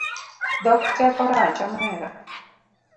Dhok teko rach omera